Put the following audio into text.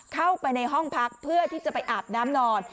เข้าไปในห้องพักเพื่อที่จะไปอาบน้ำนอน